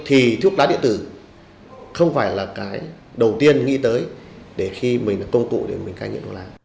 thì thuốc lá điện tử không phải là cái đầu tiên nghĩ tới để khi mình công cụ để mình cai nghiện thuốc lá